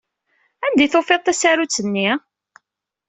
Anda ay d-tufiḍ tasarut-nni?